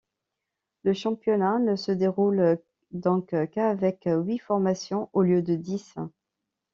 Le championnat ne se déroule donc qu'avec huit formations au lieu de dix.